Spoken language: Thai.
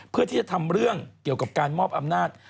เพื่อที่จะทำเรื่องเกี่ยวกับการมอบอำนาจ